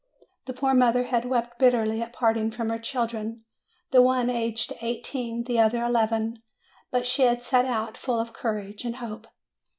The poor mother had wept bitterly at parting from her children, the one aged eighteen, the other, eleven; but she had set out full of courage and hope.